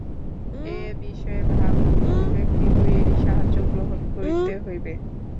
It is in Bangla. এ-বিষয়ে ভাব ও অভিব্যক্তি দুয়েরই সাহায্য গ্রহণ করিতে হইবে।